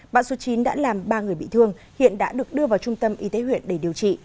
bão số chín đã làm ba người bị thương hiện đã được đưa vào trung tâm y tế huyện để điều trị